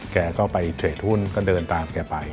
แกก็ไปเทรดหุ้นก็เดินตามแกไป